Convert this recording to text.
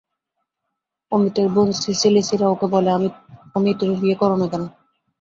অমিতর বোন সিসি-লিসিরা ওকে বলে, অমি, তুমি বিয়ে কর না কেন?